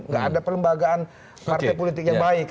nggak ada perlembagaan partai politik yang baik